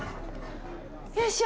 よいしょ。